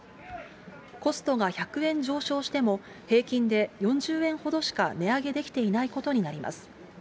コストが１００円上昇しても、平均で４０円ほどしか値上げできていないことになります。